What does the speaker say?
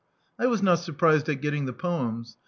I was not surprised at getting the poems.